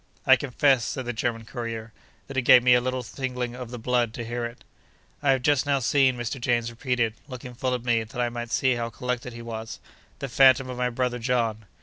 I confess (said the German courier) that it gave me a little tingling of the blood to hear it. 'I have just now seen,' Mr. James repeated, looking full at me, that I might see how collected he was, 'the phantom of my brother John.